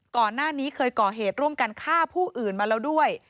ก่อนหน้านี้เคยก่อเหตุร่วมกันฆ่าผู้อื่นมาแล้วด้วย